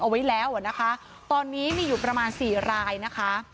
เอาไว้แล้วอ่ะนะคะตอนนี้มีอยู่ประมาณสี่รายนะคะ